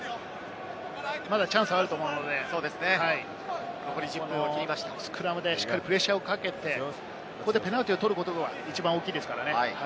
まだチャンスはあると思うので、スクラムでしっかりプレッシャーをかけて、ここでペナルティーを取ることが一番大きいですからね。